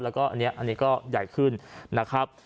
แล้วก็อันนี้ก็ใหญ่ขึ้นนะครับ